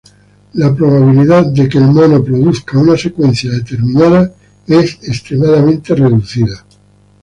La probabilidad de que el mono produzca una secuencia determinada es extremadamente reducida.